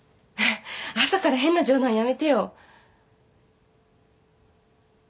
朝から変な冗談やめてよ。